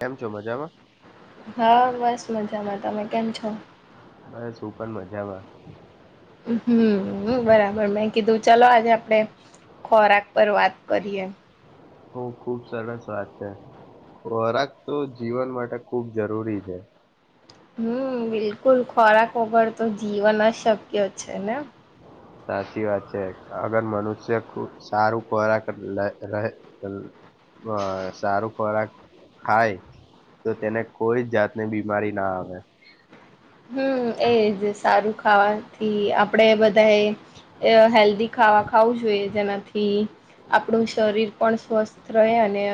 કેમ છો મજામાં? હા બસ મજામાં તમે કેમ છો બસું પણર મજામાં હમ બરાબર મેં કીધું ચાલો આજે આપણે ખોરાક પર વાત કરીએ હ ખુબ સરસ વાત છે ખોરાક તો જીવન માટે ખુબ જરૂરી છે હમ બિલકુલ ખોરાક વગર તો જીવન જ શક્ય છે ને સાચી વાત છે. અગર મનુષ્ય ખ સારું ખોરાક લે રહે [unintelligible] બ સારું ખોરાક ખાય તો તેને કોઈ જાતની બીમારી ના આવે. હમ્મ એજ. સારું ખાવાથી આપડે બધા એ અહ હેલ્ધી ખાવા ખાવું જોઈએ, જેનાથી થી આપણું શરીર પણ સ્વસ્થ રહે, અને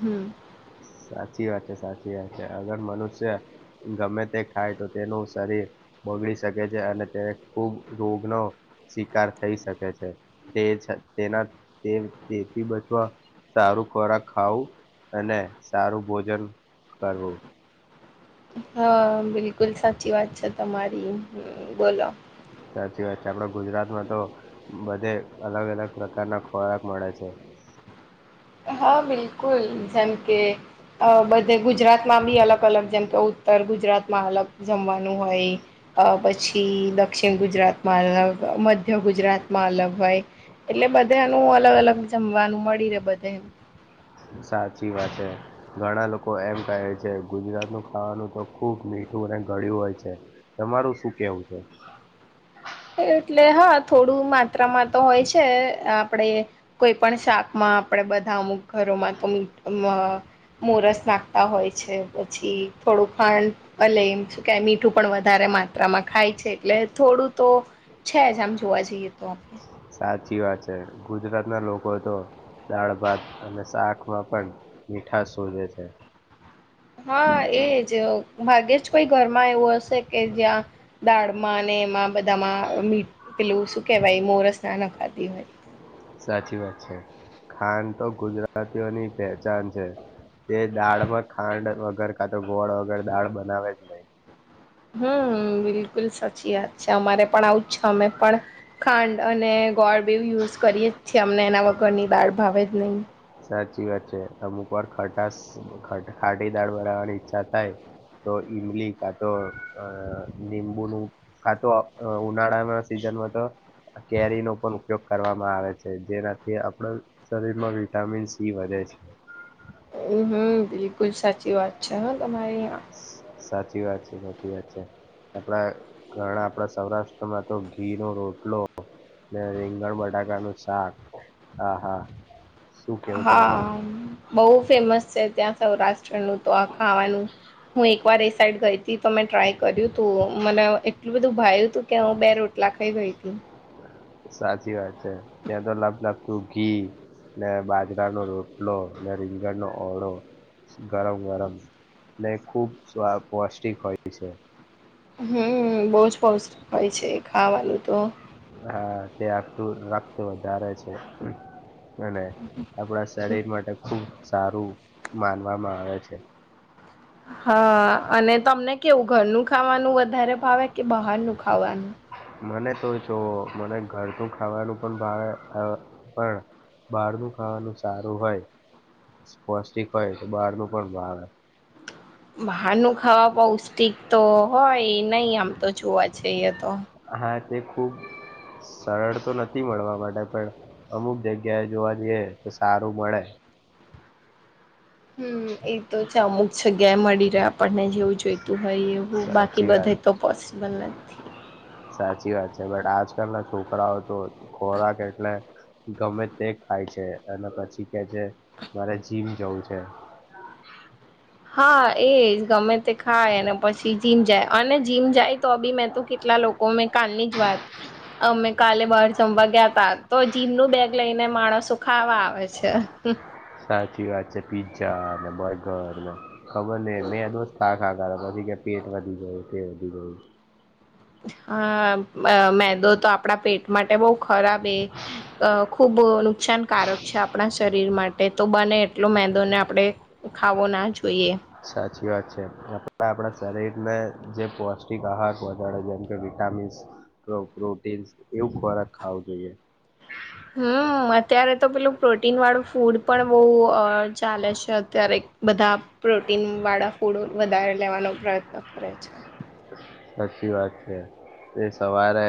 હમ્મ. સાચી વાત છે, સાચી વાત છે. અગર મનુષ્ય ગમે તે ખાય તો તેનું શરીર બગડી શકે છે, અને તેને ખૂબ રોગનો શિકાર થઈ શકે છે. તે છ તેના તે તેથી બચવા સારું ખોરાક ખાવું અને સારું ભોજન કરવું. હા, બિલકુલ સાચી વાત છે તમારી. હમ્મ, બોલો. આપડ ગુજરાતમાં તો બધે અલગ-અલગ પ્રકારના ખોરાક મળે છે. હા બિલકુલ. જેમ કે અહ બધે ગુજરાતમાં બી અલગ અલગ જેમ કે ઉત્તર ગુજરાતમાં અલગ જમવાનું હોય, અહ પછી દક્ષિણ ગુજરાત તમાં અલગ, મધ્ય ગુજરાતમાં અલગ હોય. એટલે બધાનું અલગ અલગ જમવાનું મળી રે બધા સાચી વાત છે ઘણા લોકો એમ કહે છે ગુજરાત નું ખાવાનું તો ખુબ મીઠ ધુ ને ગડ્યું હોય છે તમારું શું કેવું છે. એટલે હા થોડું માત્રામાં તો હોય છે આપડે કોઈ પણ શાકમાં આપડે બધા અમુક ઘરોમાં અમ અમ મોરસ નાખતા હોય છે પછી થોડું ખાંડ અ લઈ એમ કે મીઠું પણ વધારે માત્રામાં ખાય છે એટલે થોડું તો છે જ આમ જોવા જઈએ તો સાચી વાત છે ગુજરાતના લોકો તો દાળભાત અને શાકમાં પણ મીઠાસ વધે છે. હા એજ જ ભાગ્યે જ કોઈ ઘરમાં એવું હશે કે જ્યાં દાળમાં ને એમાં બધામાં મી પેલું શું કેવાય મોરસ ના નાખાતી હોય સાચી વાત છે ખાન તો ગુજરાતીઓની પેહચાન છે. તે દાળમાં ખાંડ વગર કાતો ગોળ વગર દાળ બનાવે જ નહી હમ બિલકુલ સાચી વાત છે અમારે પણ આવુંજ છે અમે પણ ખાંડ અને ગોળ બેવ યુઝ કરીએ જ છે અમને એના વગરની દાળ ભાવે જ નહીં સાચી વાત છે અમુક વાર ખટાસ ખટ ખાટી દાળ બનાવવાની ઈચ્છા થાય. તો ઈમલી કાતો અ લીંબુનુ કાતો ઉનાળાના સીઝ ઝન માતો કેરીનો પણ ઉપયોગ કરવામાં આવે છે જેનાથી આપણા શરીરમાં વિટામિન સી વધે છે. હમ બિલકુલ સાચી વાત છે હ તમારી સાચી વાત છે સાચી વાત છે. આપડા ઘણા આપડા સૌરાષ્ટ્રમાં તો ઘી નો રોટલો ને રીંગણ બટાકાનું શાક હા હા શું કેવું તમારે હા બોવ ફેમસ છે ત્યાં સૌરાષ્ટ્રનું તો આ ખાવાનું હું એકવાર એ સાઈડ ગઈ તી તો મે ટ્રાય કર્યું તો મને એટલું બધું ભાવ્યું હતું કે હું બે રોટ સાચી વાત છે ત્યાં તો લપલપતું ઘી ને બાજરાનો રોટલો ને રીંગણનો ઓળો ગરમ ગરમ ને ખૂબ સ્વા પૌષ્ટિક હોય છે. હમ બહુજ પૌષ્ટિક હોય છે ખાવાનું તો હા તે આપણું રક્ત વધારે છે. અને આપણા શરીર માટે ખુબ સારું માનવામાં આવે છે. હા અને તમને કેવું ઘરનું ખાવાનું વધારે ભાવે કે બહારનું ખાવાનું? મને તો જોઓ મને ઘરનુ ખાવાનું પણ ભાવે અ પણ બહારનું ખાવાનું સારું હોય સ્પૌષ્ટિક હોય તો બહારનુ પણ ભાવે. બાહારનુ હવા પૌષ્ટિક તો હોય નહી આમ તો જોવા જયે તો. હા તે ખૂબ સરળ તો નથી મળવા માટે પણ અમુક જગ્યાએ જોવા જઈએ તો સારું મળે. હમ એ તો છે અમુક જગ્યાએ મળી રહે આપણને જેવું જોઈ તું હોય એવું બાકી સાચી બધે વાત તો પોસિબલ નથી. સાચી વાત છે બટ આજકાલ ના છોકરાઓ તો ખોરાક એટલે ગમે તે ખાય છે અને પછી કે છે મારે જીમ જવું છે. હા એજ ગમે તે ખાય અને પછી જીમ જાય અને જીમ જાય તો બી મેં તો કેટલા લોકો મેં કાલની જ વાત [inaudible] અમે કાલે બહાર જમવા ગયા તા તો જીમનું બેગ લઈને માણસ સો ખાવા આવે છે. સાચી વાત છે. પીઝા ને બર્ગર ને ખબર ને મેં દોસ્ત અગાડયા પછી કે પેટ વધી ગયું તે વધી ગયું. હા, મેદો તો આપ આપણા પેટ માટે બહુ ખરાબ એ ખુબ જ નુકસાનકારક છે, આપણા શરીર માટે તેટલો બને એટલો મેંદોને આપણે ખાવો ના જોઈએ. સાચી વાત છે. આપે આપણા શરીર ને જે પૌષ્ટિક આહાર વધારે જેમકે, વિટામિન હંમેશા પ્રો પ્રોટીન યુક્ત ખોરાક ખાવો જોઈએ. [inaudible] હમ, અત્યારે તો પેલું પ્રોટીન વાળું ફૂડ પણ બહુ ચાલે છે. અત્યારે બધા પ્રોટીન વાળા ફૂડો વધારે લેવાનો પ્રયત્ન કરે છે. સાચી વાત છે તે સવારે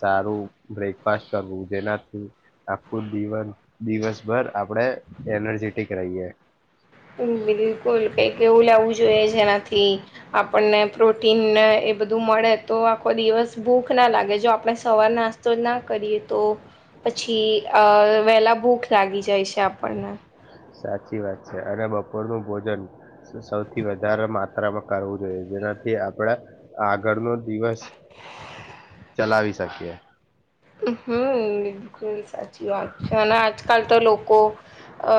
સારું બ્રેકફાસ્ટ કરવું તેનાથી આખું દિવન દિવસભર આપડે એનર્જેટિક રહીએ. [unintelligible] બિલકુલ કંઈક એવું લેવું જોઈએ, જેનાથી આપણને પ્રોટીન ને બધું મળે તો આખો દિવસ ભૂખ ના લાગે, જો આપણે સવાર નાસ્તો જ ના કરીએ તો પછી અ વેલા ભૂખ લાગી જાય છે આપણને. સાચી વાત છે. અને બપોરનું ભોજન સૌથી વધારે માત્રામાં કરવું જોઈએ, જેના કે આપણા આગળનો દિવસ [unintelligible] ચલાવી શકીએ. ઓહો બિલકુલ સાચી વાત છે અને આજકાલ તો લોકો અ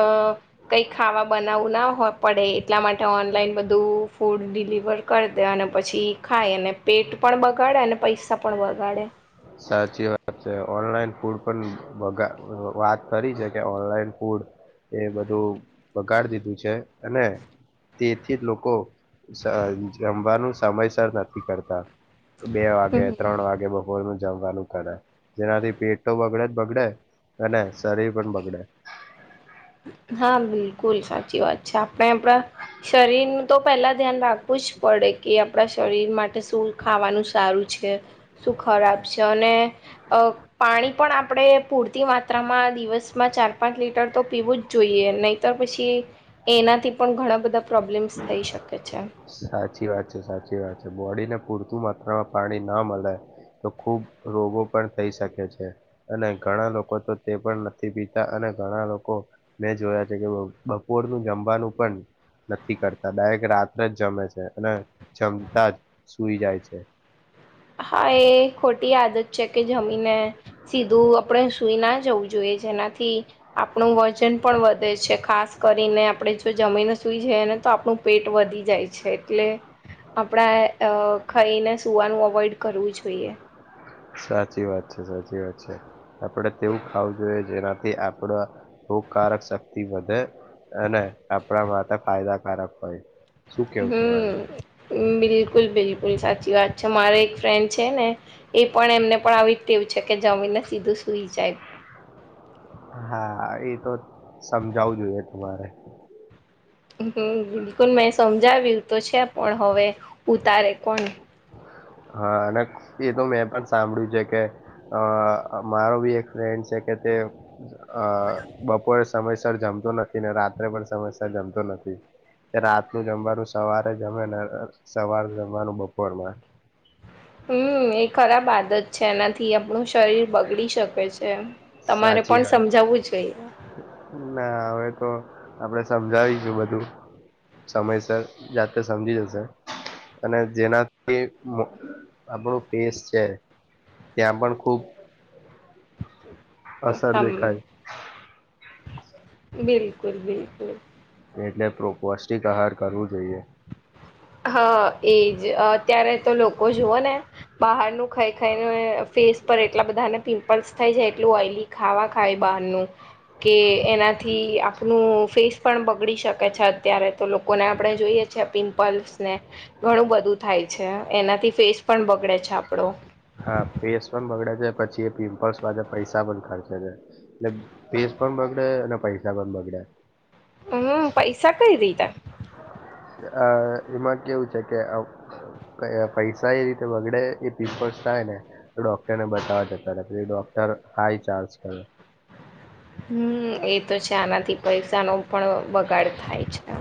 કઈ ખાવા બના આવુ ના હો પડે એટલા માટે ઓન લાઈન બધું ફૂડ ડિલિવર કરી દે અને પછી ખાય અને પેટ પણ બગાડે અને પૈસા પણ બવગાડે. સાચી વાત છે. ઓનલાઈન ફૂડ પણ બગા વાત કરી છે કે ઓનલાઈન ફૂડ એ બધું બગાડ દીધું છે અને તેથી લોકો સ જમવાનું સમયસર નથી કરતા. બે વાગે ત્રણ વાગે બહુ તમે જમવાનું કર જેનાથી પેટ તો બગડે જ બગડે અને શરીર પણ બગડે. હા બિલકુલ સાચી વાત છે. આપણે આપણા શરીરનું તો પહેલા ધ્યાન રાખવું જ પડે કે આપણા શરીર માટે શું ખાવાનું સારું છે. છે શું ખરાબ છે અને અ પાણી પણ આપણે પૂરતી માત્રા માત્રામાં દિવસમાં ચાર પાંચ લીટર તો પીવું જ જોઈએ નહી તો પછી એનાથી પણ ઘણા બધા પ્રોબ્લેમ્સ થઈ શકે છે સાચી વાત છે સાચી વાત છે બૉડી ને પૂરતું માત્રામાં પાણી ના મલે તો ખુબ રોગો પણ થઈ શકે છે અને ઘણા લોકો તો તે પણ નથી પીતા અને ઘણા લોકો મેં જોયા છે, કે બપોરનું જમવાનું પણ નથી કરતા ડાયરેક્ટ રાત્રે જ જમે છે અને જમતા જ સૂઈ જાય છે હા, એ ખોટી આદત છે કે જમીને સીધું આપણે સુઈ ના જવું જોઈએ જેનાથી આપણું વજન પણ વધે છે ખાસ કરીને આપણે જો જમીને સુઈ જાય ને, તો આપણું પેટ વધી જાય છે એટલે આપણા અ ખાઈને સૂવાનું અવોઈડ કરવું જોઈએ સાચી વાત છે, સાચી વાત છે આપડે તેવું ખાવું જોઈએ જેનાથી કે આપડ રોગકારક શક્તિ વધે અને આપણા ફાયદાકારક હોય શું કેવું તમારૂ હમ બિલકુલ, બિલકુલ સાચી વાત છે, મારે એક ફ્રેન્ડ છે ને એ પણ એમને પણ આવી ટેવ છે કે જમીને સીધું સુઈ જાય હા, એ તો સમજાવવું જોઈએ તમારે. હમ્મ, બિલકુલ મેં સમજાવ્યું તો છે પણ હવે ઉતારે કોણ. હા, અને એ તો મેં પણ સાંભળ્યું છે કે અહ મારો બી એક ફ્રેન્ડ છે કે તે અહ બપોરે સમયસર જમતો નથી ને રાત્રે પણ સમયસર જમતો નથી. કે રાતનું જમવાનું સવારે જમે ને સવાર જમવાનું બપોરમાં. હમ્મ, એ ખરાબ આદત છે એનાથી આપણું શરીર બગડી શકે છે. તમારે સાચી પણ વાત સમજાવું જોઈએ. ના હવે તો આપડે સમજાવીશું બધું સમયસર જાતે સમજી જશે. અને જેનાથી મો આપડું ફેસ છે ત્યાં પણ ખુબ અસર દેખાય. હમ બિલકુલ, બિલકુલ. ને એટલે પૌષ્ટિક આહાર કરવું જોઈએ. હા, એજ અત્યારે તો લોકો જુઓ ને બહારનું ખાઈ ખાઈને ફેસ પર એટલા બધાને પિમ્પલ્સ થાય જાય એટલું ઓઇલી ખાવા ખાય બહારનું કે એના થી આપનું ફેસ પણ બગડી શકે છે અત્યારે તો લોકોને આપડે જોઈએ છીએ આ પિ પલ્સ ને ઘણું બધું થાય છે એનાથી ફેસ પણ બગડે છે આપડો. હા, ફેસ પણ બગડે છે પછી એ પિમ્પલ્સ વા પૈસા પણ ખર્ચે છે. એટલે ફીસ પણ બગડે અને પૈસા પણ બગડે. હમ્મ, પૈસા કઈ રીતે? અહ એમાં કેવું છે કે આવ કે પૈસા એ રીતે બગડે એ પિમ્પલ્સ થાય ને તો ડોક્ટર ને બતાવા જતા રહે પછી ડોક્ટર હ-હાઈ ચાર્જ કરે. હમ્મ, એ તો છે આનાથી પૈસાનો પણ બગાડ થાય છે.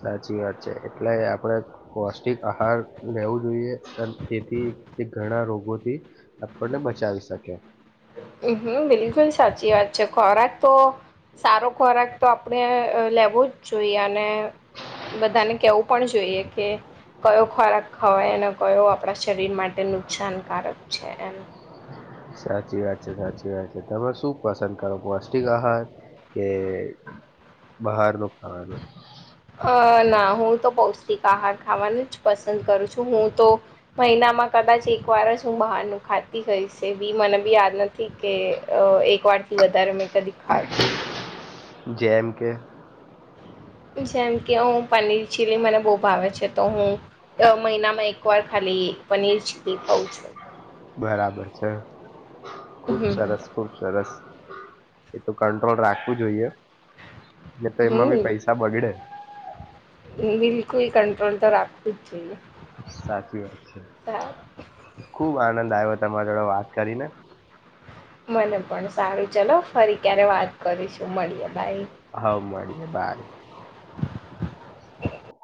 સાચી વાત છે. એટલે આપડે પૌષ્ટિક આહાર લેવું જોઈએ અહ તેથી તે ઘણા રોગોથી આપણને બચાવી શકે હ હમ બિલકુલ સાચી વાત છે ખોરાક તો સારો ખોરાક તો આપણે લેવો જ જોઈએ અને બધાને કેવું પણ જોઈએ કે કયો ખોરાક ખવાય અને કયો આપણા શરીર માટે નુકસાનકારક છે એમ સાચી વાત છે સાચી વાત છે તમે શું પસંદ કરો પૌષ્ટિક આહાર કે બહાર ન ખાવાનુંનું અ ના હું તો પૌષ્ટિક આહાર ખાવાનું જ પસંદ કરું છું હું તો મહિના માં કદાચ એક વાર શું બહારનું ખાતી ગઈ છે બી મને બી યાદ નથી કે એક વાર થી વધારે મેં કદી ફાત હો જે એમ કે જેમ કે હ પનીર ચીલી મને બહુ ભાવે છે તો હું મહિનામાં એક વાર ખાલી પનીર ચીલી ખઉં છું બરાબર ખુબ હમ સરસ ખુબ સરસ એ તો કંટ્રોલ રાખવું જોઈએ ને તો એમાં બી હમ પૈસા બગડે બિલકુલ કંટ્રોલ તો રાખતું જ જોઈએ સાચી વાત છે સારું ખુબ આનંદ આવ્યો તમારા જોડે વાત કરીને મને પણ સારું ચલો ફરી ક્યારે વાત કરીશું મળીએે બાય હા મળીએે બાય